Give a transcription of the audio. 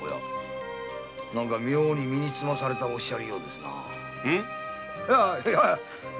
妙に身につまされたようなおっしゃりようですな。何？